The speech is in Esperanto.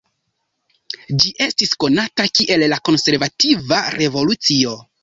Ĝi estis konata kiel la Konservativa Revolucio.